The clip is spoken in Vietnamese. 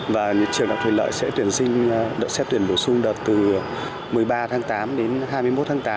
và trường đạo thủy lợi sẽ tuyển sinh đợt xét tuyển bổ sung đợt từ một mươi ba tháng tám đến hai mươi một tháng tám